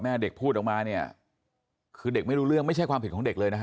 แม่เด็กพูดออกมาเนี่ยคือเด็กไม่รู้เรื่องไม่ใช่ความผิดของเด็กเลยนะฮะ